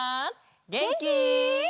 げんき？